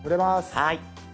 はい。